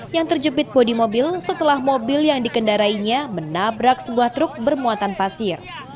yang terjepit bodi mobil setelah mobil yang dikendarainya menabrak sebuah truk bermuatan pasir